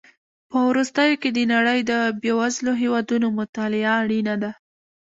په وروستیو کې د نړۍ د بېوزلو هېوادونو مطالعه اړینه ده.